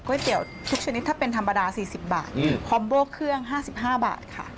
เตี๋ยวทุกชนิดถ้าเป็นธรรมดา๔๐บาทคอมโบเครื่อง๕๕บาทค่ะ